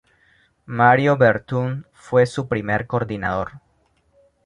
Mario Bertone fue su primer coordinador.